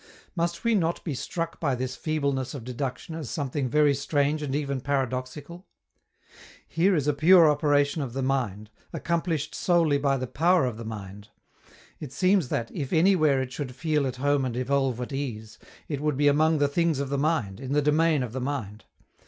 Must we not be struck by this feebleness of deduction as something very strange and even paradoxical? Here is a pure operation of the mind, accomplished solely by the power of the mind. It seems that, if anywhere it should feel at home and evolve at ease, it would be among the things of the mind, in the domain of the mind.